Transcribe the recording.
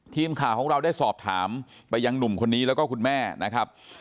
ทีมข่าวของเราได้สอบถามไปยังหนุ่มคนนี้แล้วก็คุณแม่นะครับ